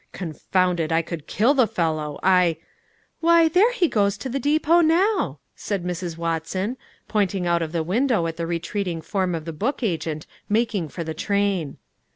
Confound it! I could kill the fellow. I " "Why, there he goes to the depot now," said Mrs. Watson, pointing out of the window at the retreating form of the book agent making for the train.